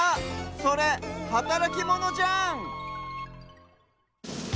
それはたらきモノじゃん！